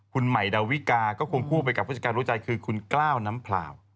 คุณใหม่ดาวิกาก็ควงคู่ไปกับผู้จัดการรู้ใจคือคุณกล้าวน้ำเปล่า